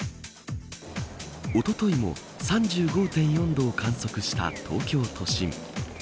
おとといも３５．４度を観測した東京都心。